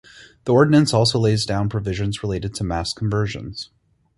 The ordinance also lays down provisions related to mass conversions.